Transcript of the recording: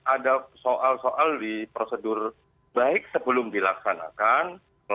ada soal soal di prosedur baik sebelum dilaksanakan